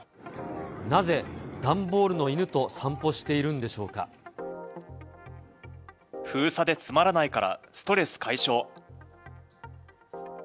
なぜ、段ボールの犬と散歩してい封鎖でつまらないから、ストレス解消。